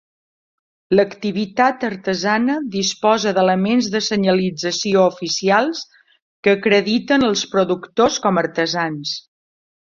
L'activitat artesana disposa d'elements de senyalització oficials que acrediten als productors com artesans.